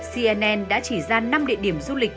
cnn đã chỉ ra năm địa điểm du lịch